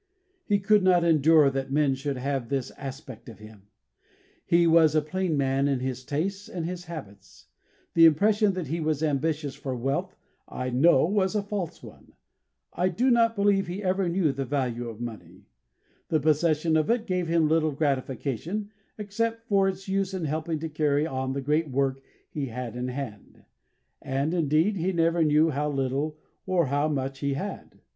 He could not endure that men should have this aspect of him. He was a plain man in his tastes and his habits; the impression that he was ambitious for wealth, I know, was a false one. I do not believe he ever knew the value of money. The possession of it gave him little gratification except for its use in helping to carry on the great work he had in hand; and, indeed, he never knew how little or how much he had.